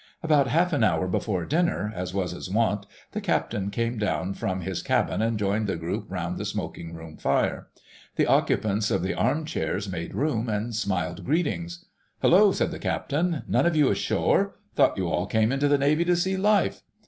About half an hour before dinner, as was his wont, the Captain came down from his cabin and joined the group round the smoking room fire. The occupants of the arm chairs made room and smiled greetings. "Hullo," said the Captain, "none of you ashore! Thought you all came into the Navy to see life!"